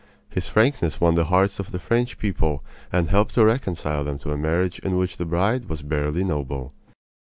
His frankness won the hearts of the French people and helped to reconcile them to a marriage in which the bride was barely noble.